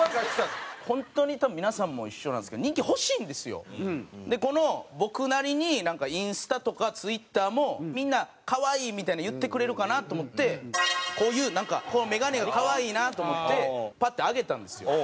本当に多分皆さんも一緒なんですけどこの僕なりにインスタとかツイッターもみんな「可愛い」みたいに言ってくれるかなと思ってこういうなんかこの眼鏡が可愛いなと思ってパッて上げたんですよ。